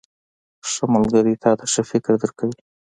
• ښه ملګری تا ته ښه فکر درکوي.